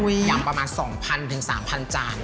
ยำประมาณ๒๐๐๓๐๐จาน